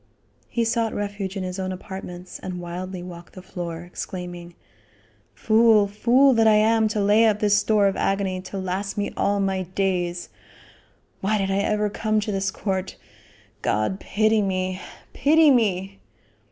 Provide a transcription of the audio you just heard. He sought refuge in his own apartments and wildly walked the floor, exclaiming, "Fool! fool that I am to lay up this store of agony to last me all my days. Why did I ever come to this court? God pity me pity me!"